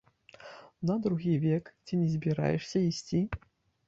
На другі век ці не збіраешся ісці?